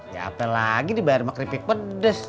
ya apel lagi dibayar emak keripik pedes